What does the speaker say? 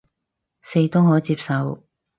四都可接受